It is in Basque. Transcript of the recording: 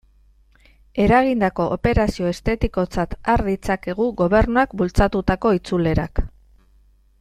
Eragindako operazio estetikotzat har ditzakegu Gobernuak bultzatutako itzulerak.